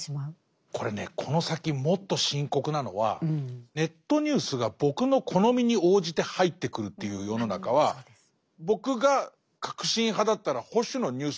これねこの先もっと深刻なのはネットニュースが僕の好みに応じて入ってくるっていう世の中は僕が革新派だったら保守のニュースなんか一個も入ってこないんですよ。